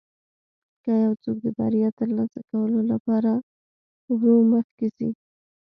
که یو څوک د بریا ترلاسه کولو لپاره ورو مخکې ځي.